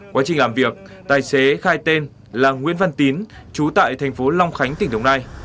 quá trình làm việc tài xế khai tên là nguyễn văn tín trú tại thành phố long khánh tỉnh đồng nai